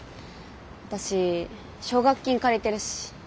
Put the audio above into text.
私奨学金借りてるし。